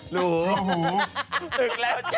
หูหูหู